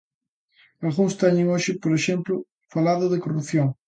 Algúns teñen hoxe, por exemplo, falado de corrupción.